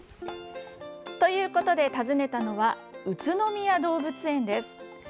ということで、訪ねたのは宇都宮動物園です。